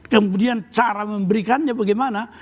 kemudian cara memberikannya bagaimana